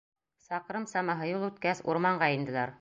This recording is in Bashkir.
Саҡрым самаһы юл үткәс, урманға инделәр.